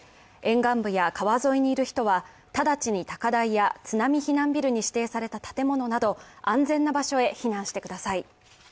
沿岸部や川沿いにいる人は直ちに高台や津波避難ビルに指定された建物など安全な場所へ避難してください。